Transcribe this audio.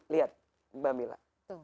lihat mbah mila